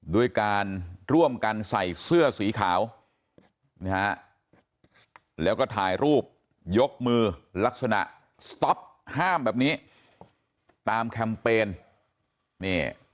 ด้วยการร่วมกันใส่เสื้อสีขาวนะฮะแล้วก็ถ่ายรูปยกมือลักษณะสต๊อปห้ามแบบนี้ตามแคมเปญนี่